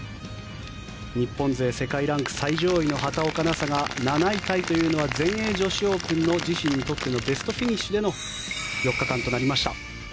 日本勢世界ランク最上位の畑岡奈紗が７位タイというのは全英女子オープンの自身にとってのベストフィニッシュでの４日間となりました。